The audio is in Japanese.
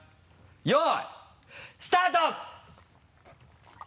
よいスタート！